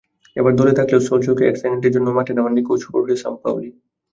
এবার দলে থাকলেও সেলসোকে এক সেকেন্ডের জন্যও মাঠে নামাননি কোচ হোর্হে সাম্পাওলি।